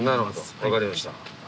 分かりました。